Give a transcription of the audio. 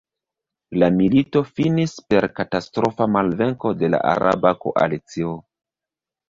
La milito finis per katastrofa malvenko de la araba koalicio.